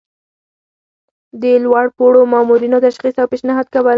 د لوړ پوړو مامورینو تشخیص او پیشنهاد کول.